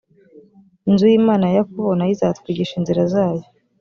inzu y imana ya yakobo na yo izatwigisha inzira zayo